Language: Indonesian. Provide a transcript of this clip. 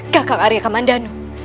kakak arya kamandanu